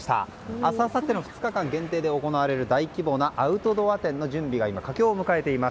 明日あさっての２日間限定で行われる、大規模なアウトドア展の準備が今、佳境を迎えています。